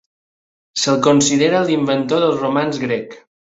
Se'l considera l'inventor del romanç grec.